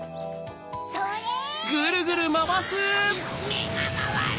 めがまわる！